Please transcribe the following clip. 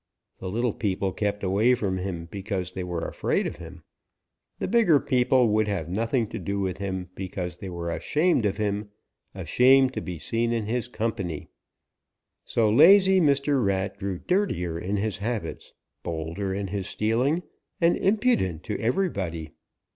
The little people kept away from him because they were afraid of him. The bigger people would have nothing to do with him because they were ashamed of him, ashamed to be seen in his company. [Illustration: 0087] "So lazy Mr. Rat grew dirtier in his habits, bolder in his stealing, and impudent to everybody.